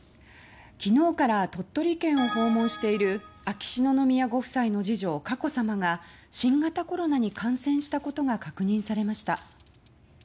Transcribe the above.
昨日から鳥取県を訪問している秋篠宮ご夫妻の次女・佳子さまが新型コロナに感染したことが確認されました。